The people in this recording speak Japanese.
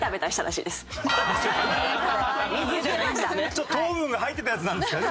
ちょっと糖分が入ってたやつなんですかね